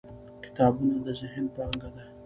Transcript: • کتابونه د ذهن پانګه ده.